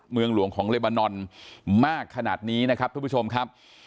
เมืองหลวงของเลบานอนมากขนาดนี้นะครับทุกผู้ชมครับ